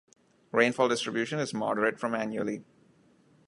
Rainfall distribution is moderate from annually.